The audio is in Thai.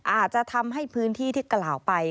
อาจจะทำให้พื้นที่ที่กล่าวไป